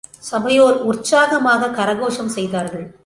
சபையோர் உற்சாகமாக கரகோஷம் செய்தார்கள்.